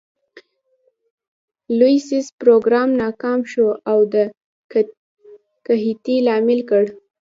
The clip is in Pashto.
لوی خیز پروګرام ناکام شو او د قحطي لامل ګړ.